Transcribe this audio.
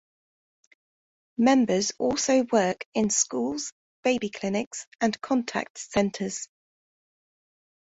Members also work in schools, baby clinics and contact centres.